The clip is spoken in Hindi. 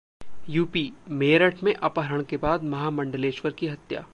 यूपीः मेरठ में अपहरण के बाद महामंडलेश्वर की हत्या